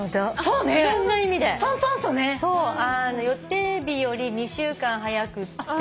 予定日より２週間早くって。